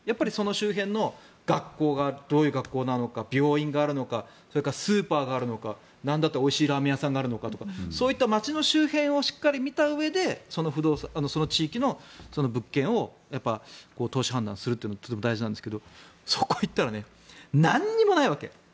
周辺の学校がどういう学校なのか病院があるのかそれからスーパーがあるのかなんだったらおいしいラーメン屋さんがあるのかとかそういった街の周辺をしっかり見たうえでその地域の物件を投資判断するというのが大事なんですがそこに行ったら何もないわけ。